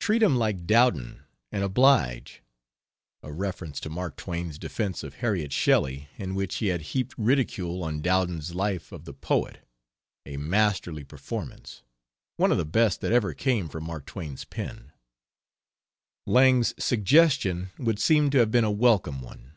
Treat him like Dowden, and oblige" a reference to Mark Twain's defense of Harriet Shelley, in which he had heaped ridicule on Dowden's Life of the Poet a masterly performance; one of the best that ever came from Mark Twain's pen. Lang's suggestion would seem to have been a welcome one.